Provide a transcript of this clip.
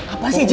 apa sih ji